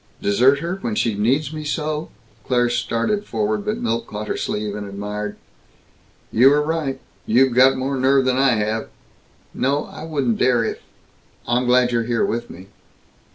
"Desert her? When she needs me so?" Claire started forward, but Milt caught her sleeve, and admired, "You were right! You've got more nerve than I have!" "No. I wouldn't dare if I'm glad you're here with me!"